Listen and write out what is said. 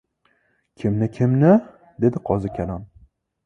— Kimni-kimni? — dedi qozikalon.